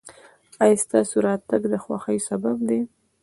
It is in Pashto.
ایا ستاسو راتګ د خوښۍ سبب دی؟